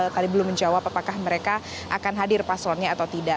tadi belum menjawab apakah mereka akan hadir paslonnya atau tidak